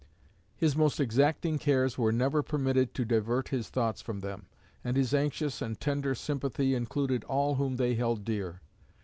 His most exacting cares were never permitted to divert his thoughts from them, and his anxious and tender sympathy included all whom they held dear.